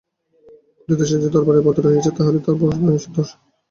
কটিদেশে যে তরবারি বদ্ধ রহিয়াছে, তাহারই ভার দুঃসহ বোধ হইতেছে।